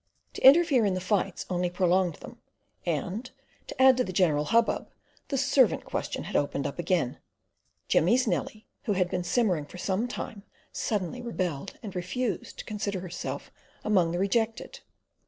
To interfere in the fights only prolonged them; and, to add to the general hubbub, the servant question had opened up again. Jimmy's Nellie, who had been simmering for some time, suddenly rebelled, and refused to consider herself among the rejected.